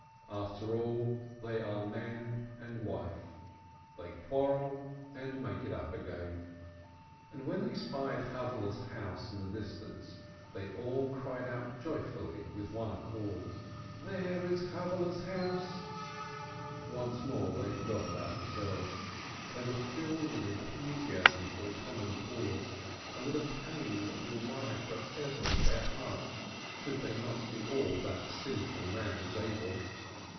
After all they are man and wife. They quarrel and make it up again. And when they spied Chavvehle's house in the dis tance, they all cried out joyfully, with one accord : "There is Chavvehle's house !" Once more they forgot about themselves; they were filled with enthusiasm for the common cause, and with a pain that will lie forever at their heart should they not do all that sinful man is able.